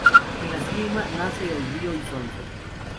En la cima nace el río Isonzo.